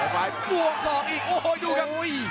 กลัวคลอกอีกโอ้โหดูครับ